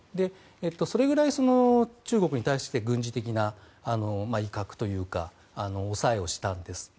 それぐらい中国に対して軍事的な威嚇というか抑えをしたんです。